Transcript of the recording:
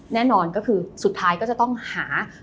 แน่นอนก็คือสุดท้ายก็จะต้องหา